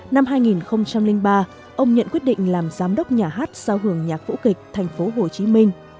năm hai nghìn ba ông nhận quyết định làm giám đốc nhà hát sao hưởng nhạc vũ kịch thành phố hồ chí minh